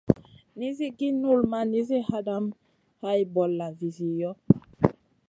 Nizi gi null ma nizi hadamèh hay bolla vizi yoh.